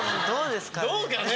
どうかね？